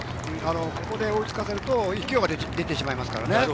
ここで追いつかせると勢いが出てしまいますからね。